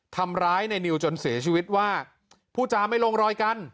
ทำร้ายในนิวจนเสียชีวิตว่าผู้จาไม่ลงรอยกัน